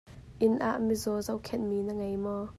Inn ah mizaw zohkhenh mi na ngei maw?